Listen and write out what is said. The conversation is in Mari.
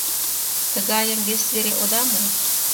Тыгайым вес вере ода му!